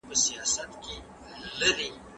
که شاعر وي نو ښکلا نه پټیږي.